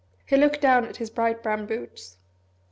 He looked down at his bright brown boots.